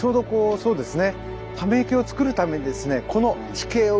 そうですね。